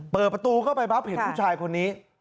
เปิดประตูเข้าไปปั๊บเห็นผู้ชายคนนี้